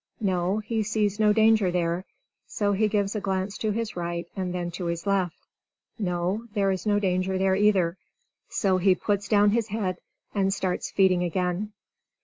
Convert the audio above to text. No, he sees no danger there. So he gives a glance to his right, and then to his left. No, there is no danger there either. So he puts down his head, and starts feeding again.